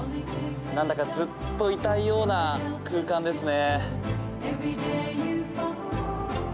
なんだかずっといたいような空間ですね。